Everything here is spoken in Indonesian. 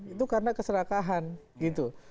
itu karena keserakahan gitu